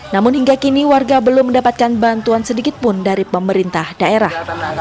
namun hingga kini warga belum mendapatkan bantuan sedikitpun dari pemerintah daerah